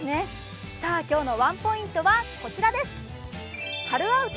今日のワンポイントはこちらです。